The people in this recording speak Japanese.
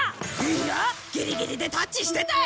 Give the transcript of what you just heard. いやギリギリでタッチしてたよ！